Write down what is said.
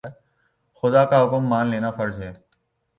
خدا کا حکم مان لینا فرض ہے